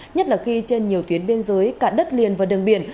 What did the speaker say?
nhất là khi trên nhiều tuyến biên giới cả đất liền và đường biển